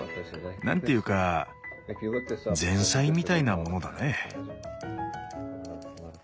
何ていうか前菜みたいなものだね。